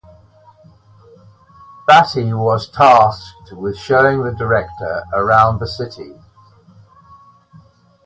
Baty, was tasked with showing the director around the city.